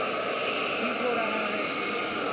ٹھیک ہو رہا ہے۔